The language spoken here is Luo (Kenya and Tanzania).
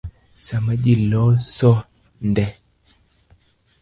Sama ji loso nde